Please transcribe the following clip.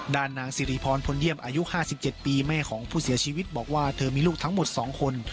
ด้านนางสิริพรพลเยี่ยมอายุห้าสิบเจ็ดปีแม่ของผู้เสียชีวิตบอกว่าเธอมีลูกทั้งหมดสองคน